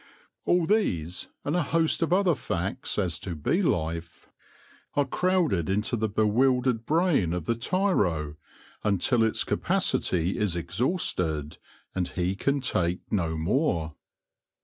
All these, and a host of other facts as to bee life, are crowded into the bewildered brain of the tiro THE COMMONWEALTH OF THE HIVE 53 until its capacity is exhausted, and he can take no more.